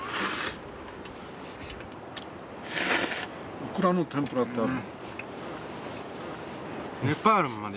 オクラの天ぷらってある。